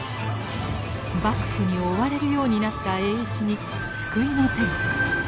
幕府に追われるようになった栄一に救いの手が。